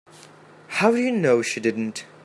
How do you know she didn't?